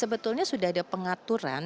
sebetulnya sudah ada pengaturan